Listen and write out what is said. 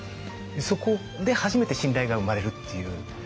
そこで初めて信頼が生まれるっていう。